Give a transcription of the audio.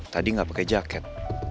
tadi enggak pake jaket